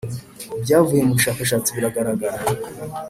Ibyavuye mu bushakashatsi biragaragara.